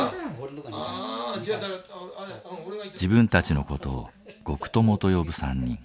自分たちの事を「獄友」と呼ぶ３人。